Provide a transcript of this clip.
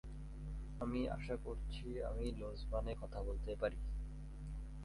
আমি আশা করছি আমি লোজবানে কথা বলতে পারি।